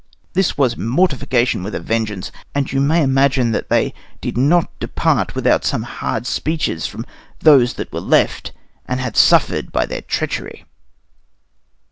This was mortification with a vengeance, and you may imagine they did not depart without some hard speeches from those that were left and had suffered by their treachery.